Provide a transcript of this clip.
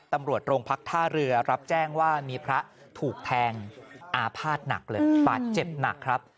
ตำรวจโรงพักท่าเรือรับแจ้งว่ามีพระถูกแทงอาภาษณ์หนักเลยบาดเจ็บหนักครับ